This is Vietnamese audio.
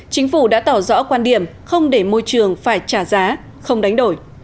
chính phủ đã tỏ rõ quan điểm không để môi trường phải trả giá không đánh đổi